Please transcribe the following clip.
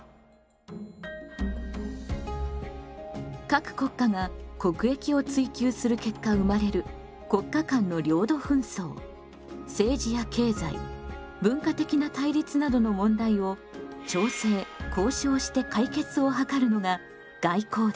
各国家が国益を追求する結果生まれる国家間の領土紛争政治や経済文化的な対立などの問題を調整・交渉して解決をはかるのが外交です。